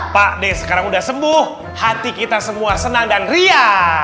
pak deh sekarang udah sembuh hati kita semua senang dan ria